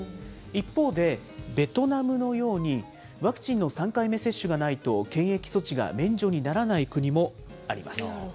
一方で、ベトナムのように、ワクチンの３回目接種がないと、検疫措置が免除にならない国もあります。